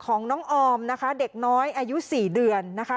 ของน้องออมนะคะเด็กน้อยอายุ๔เดือนนะคะ